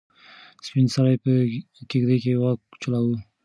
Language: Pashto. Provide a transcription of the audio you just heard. سپین سرې په کيږدۍ کې واک چلاوه.